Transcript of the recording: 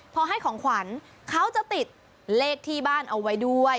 พอให้ของขวัญเขาจะติดเลขที่บ้านเอาไว้ด้วย